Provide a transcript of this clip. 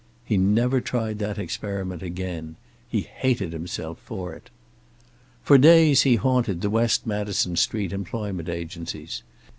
He never tried that experiment again. He hated himself for it. For days he haunted the West Madison Street employment agencies.